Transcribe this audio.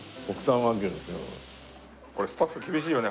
これスタッフ厳しいよね。